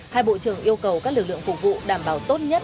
hai bộ trưởng yêu cầu các lực lượng phục vụ đảm bảo tốt nhất